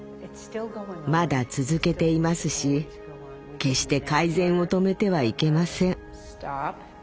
まだ続けていますし決して改善を止めてはいけません。